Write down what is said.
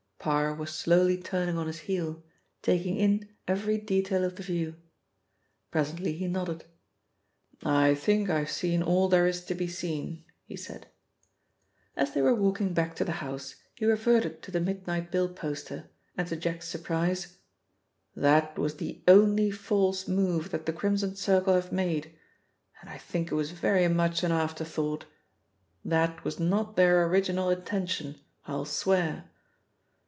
Parr was slowly turning on his heel, taking in every detail of the view. Presently he nodded. "I think I have seen all there is to be seen," he said. As they were walking back to the house he reverted to the midnight bill poster, and to Jack's surprise: "That was the only false move that the Crimson Circle have made, and I think it was very much an afterthought. That was not their original intention, I'll swear."